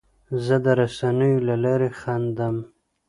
زه د رسنیو له لارې خندم.